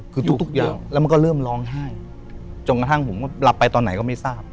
คือทุกอย่างแล้วมันก็เริ่มร้องไห้จนกระทั่งผมก็หลับไปตอนไหนก็ไม่ทราบ